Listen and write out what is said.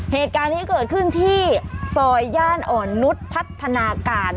เหตุการณ์นี้เกิดขึ้นที่ซอยย่านอ่อนนุษย์พัฒนาการ